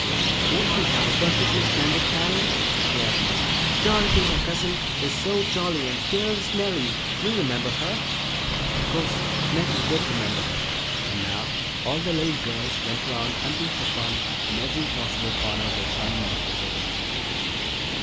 "Won't we have a perfectly splendid time?" declared Nan. "Dorothy, my cousin, is so jolly, and here's Nellie you remember her?" Of course Nettie did remember her, and now all the little girls went around hunting for fun in every possible corner where fun might be hidden.